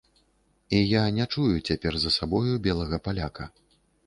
І я не чую цяпер за сабою белага паляка.